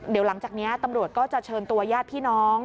เดี๋ยวหลังจากนี้ตำรวจก็จะเชิญตัวญาติพี่น้อง